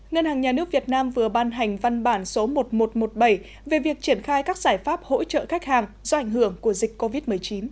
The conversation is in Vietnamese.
ngân hàng nhà nước việt nam vừa ban hành văn bản số một nghìn một trăm một mươi bảy về việc triển khai các giải pháp hỗ trợ khách hàng do ảnh hưởng của dịch covid một mươi chín